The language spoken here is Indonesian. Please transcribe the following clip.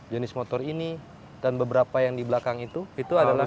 jenis motor ini dan beberapa yang di belakang itu itu adalah